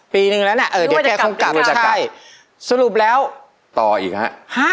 ปีนึงแล้วน่ะเออเดี๋ยวแกคงกลับมาใช่สรุปแล้วต่ออีกฮะ